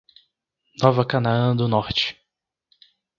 Nova Canaã do Norte